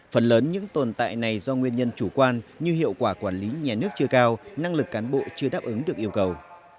phần lớn những tồn tại này do nguyên nhân chủ quan như hiệu quả quản lý nhà nước chưa cao năng lực cán bộ chưa đáp ứng được yêu cầu